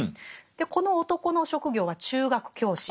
でこの男の職業は中学教師。